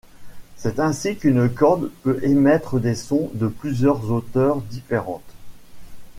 C'est ainsi qu'une corde peut émettre des sons de plusieurs hauteurs différentes.